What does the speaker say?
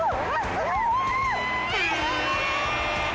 うわ！